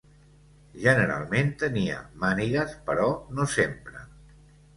Generalment tenia mànigues però no sempre.